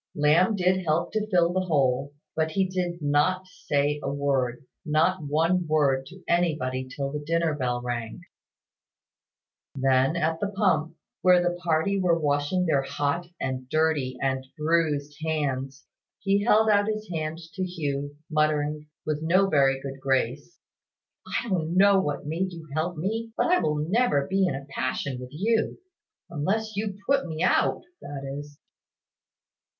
Lamb did help to fill the hole, but he did not say a word not one word to anybody till the dinner bell rang. Then, at the pump, where the party were washing their hot and dirty and bruised hands, he held out his hand to Hugh, muttering, with no very good grace "I don't know what made you help me, but I will never be in a passion with you; unless you put me out, that is."